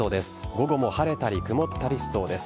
午後も晴れたり曇ったりしそうです。